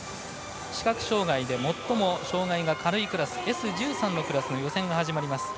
視覚障がいで最も障がいが軽いＳ１３のクラスの予選が始まります。